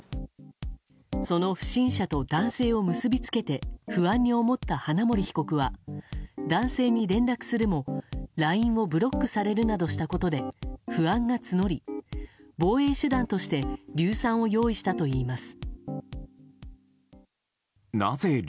その不審者と男性を結び付けて不安に思った花森被告は男性に連絡するもＬＩＮＥをブロックされるなどしたことで不安が募り、防衛手段として硫酸を用意したといいます。